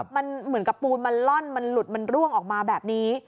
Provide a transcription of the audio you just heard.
มันเหมือนกับปูนมันล่อนมันหลุดมันร่วงออกมาแบบนี้